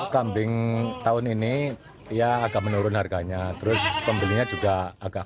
kambing tahun ini ya agak menurun harganya terus pembelinya juga agak